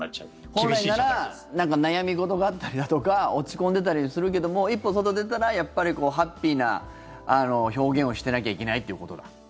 本来ならなんか悩み事があったりだとか落ち込んでたりするけども一歩、外出たらやっぱりハッピーな表現をしてなきゃいけないということ。